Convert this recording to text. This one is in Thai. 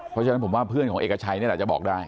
เพราะฉะนั้นผมว่าเพื่อนของเอกชัยนี่แหละจะบอกได้